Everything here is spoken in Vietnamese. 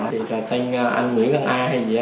thì trò tên anh nguyễn căn a hay gì á